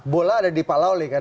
bola ada di pak lawli kan